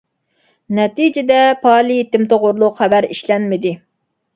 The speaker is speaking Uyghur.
نەتىجىدە، پائالىيىتىم توغرۇلۇق خەۋەر ئىشلەنمىدى.